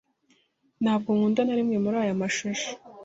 Ntabwo nkunda na rimwe muri aya mashusho.